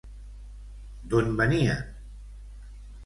D'on venien?